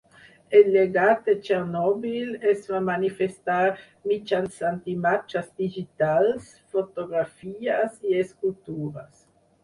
El llegat de Chernobyl es va manifestar mitjançant imatges digitals, fotografies i escultures.